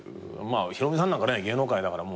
まあヒロミさんなんかね芸能界だから。